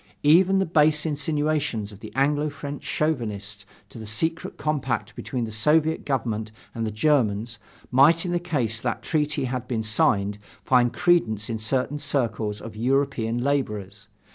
Even the base insinuations of the Anglo French chauvinists to the secret compact between the Soviet Government and the Germans, might in case that treaty had been signed find credence in certain circles of European laborers.